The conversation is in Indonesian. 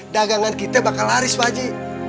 dagangan kita bakal laris pak ji